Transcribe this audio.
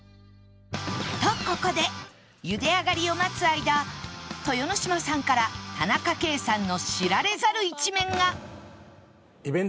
とここで茹であがりを待つ間豊ノ島さんから田中圭さんの知られざる一面が！